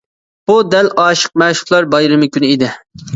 بۇ دەل ئاشىق-مەشۇقلار بايرىمى كۈنى ئىدى.